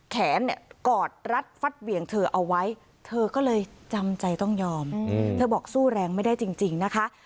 แขนเนี่ยกอดรัดฟัดเหวี่ยงเธอเอาไว้เธอก็เลยจำใจต้องยอมเธอบอกสู้แรงไม่ได้จริงนะคะ